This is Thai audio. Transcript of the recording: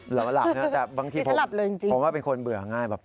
หลับแล้วในช่วงผมเป็นคนเบื่อน่าย